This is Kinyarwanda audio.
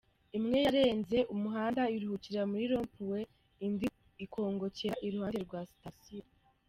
imwe yarenze umuhanda iruhukira muri ’ropuwe’ indi ikongokera iruhande rwa Sitasiyo.